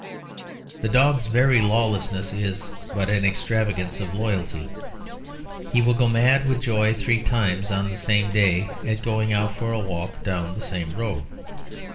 The dog's very lawlessness is but an extravagance of loyalty; he will go mad with joy three times on the same day, at going out for a walk down the same road.